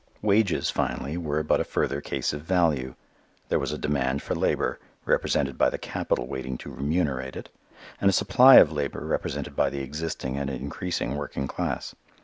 Wages, finally, were but a further case of value. There was a demand for labor, represented by the capital waiting to remunerate it, and a supply of labor represented by the existing and increasing working class.